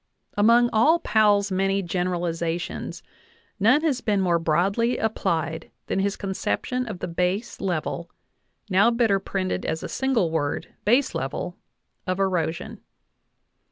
Among all Powell's many generalizations none has been more broadly applied than his conception of the base level (now better printed as a single word, baselevel) of erosion.